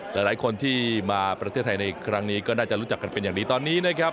หลายคนที่มาประเทศไทยในครั้งนี้ก็น่าจะรู้จักกันเป็นอย่างดีตอนนี้นะครับ